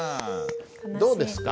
どうですか？